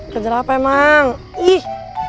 gejala apa emang ih